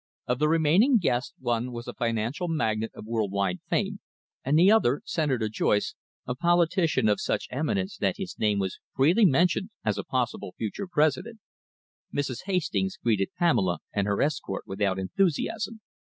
Of the remaining guests, one was a financial magnate of world wide fame, and the other, Senator Joyce, a politician of such eminence that his name was freely mentioned as a possible future president. Mrs. Hastings greeted Pamela and her escort without enthusiasm.